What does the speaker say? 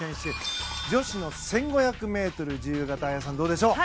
女子の１５００ｍ自由形綾さん、どうでしょう？